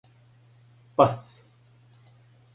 пас